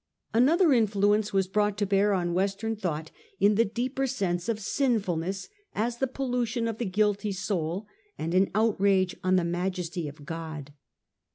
Another influence was brought to bear on Western thought in the deeper sense of sinfulness, as the pollution and mystic Outrage on the gloom, majesty of God.